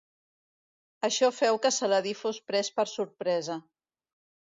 Això feu que Saladí fos pres per sorpresa.